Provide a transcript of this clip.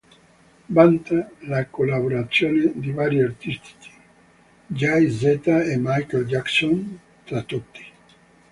Vanta le collaborazioni di vari artisti, Jay Z e Michael Jackson tra tutti.